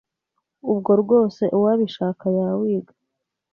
ubwo rwose uwabishaka yawiga